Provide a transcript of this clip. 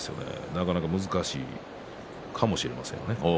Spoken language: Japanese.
なかなか難しいかもしれませんね。